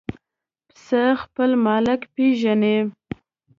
پسه خپل مالک پېژني.